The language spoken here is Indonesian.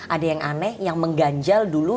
ada yang aneh yang mengganjal dulu